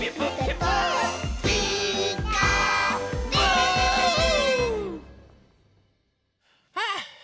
「ピーカーブ！」はあ。